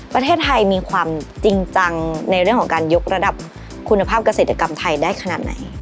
ประเทศไทยมีความจริงจังในเรื่องของการยกระดับคุณภาพเกษตรกรรมไทยได้ขนาดไหน